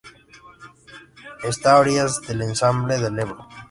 Está a orillas del embalse del Ebro.